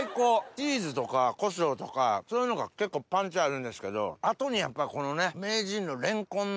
チーズとかコショウとかそういうのが結構パンチあるんですけど後にやっぱりこの名人のレンコンの。